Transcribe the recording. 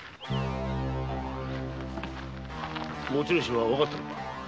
持ち主は分かったのか？